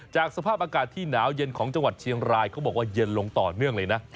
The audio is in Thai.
สภาพอากาศที่หนาวเย็นของจังหวัดเชียงรายเขาบอกว่าเย็นลงต่อเนื่องเลยนะ